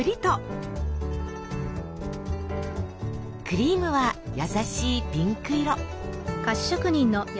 クリームは優しいピンク色。